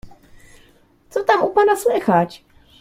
"Co tam u pana słychać?"